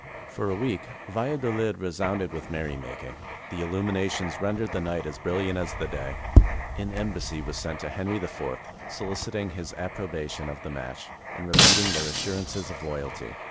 For a week Valladolid resounded with merry making, and illuminations rendered the night as brilliant as the 457 SPAIN day. An embassy was sent to Henry IV, soliciting his approbation of the match, and repeating their assur ances of loyalty.